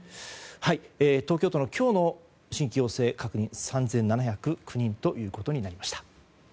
東京都の今日の新規陽性確認が３７０９人ということになりました。